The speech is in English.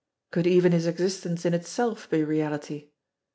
Could even his existence in itself be reality?